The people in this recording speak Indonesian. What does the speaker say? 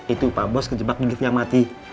itu pak bos kejebak di lift yang mati